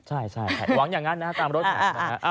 ใช่หวังอย่างนั้นนะตามรถนะฮะ